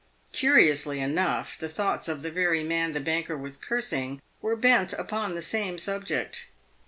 Curiously enough, the thoughts of the very man the banker was cursing were bent upon the same subject.